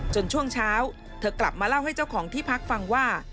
ช่วงเช้าเธอกลับมาเล่าให้เจ้าของที่พักฟังว่า